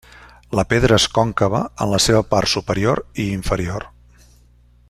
La pedra és còncava en la seva part superior i inferior.